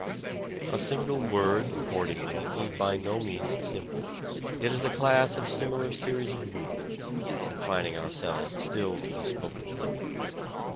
A single word, accordingly, is by no means simple it is a class of similar series of movements (confining ourselves still to the spoken word).